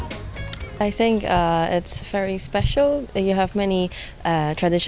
hari ini kami mencoba lukisan batik